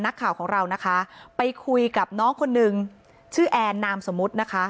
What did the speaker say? นักข่าวของเรานะคะไปคุยกับน้องคนนึงชื่อแอนนามสมมุตินะคะ